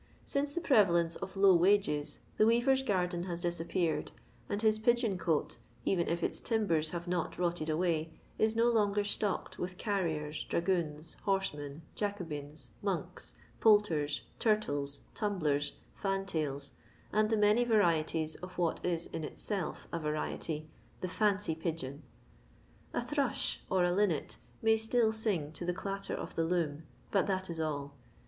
Since the prevalence of low wages the weaver's garden has disappeared, and his pigeon cote, even if its timbers have not rotted away, is no longer stocked with carriers, dragoons, horsemen, jacobins, monks, poulters, turtles, tumblers, fantails, and the many varieties of what is in itself a variety — the fancy pigeon. A thrush, or a linnet, may still sing to the chitter of the loom, but that is all.